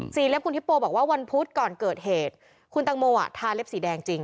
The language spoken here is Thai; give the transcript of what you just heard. เล็บคุณฮิปโปบอกว่าวันพุธก่อนเกิดเหตุคุณตังโมอ่ะทาเล็บสีแดงจริง